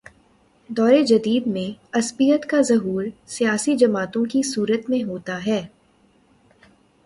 دور جدید میں عصبیت کا ظہور سیاسی جماعتوں کی صورت میں ہوتا ہے۔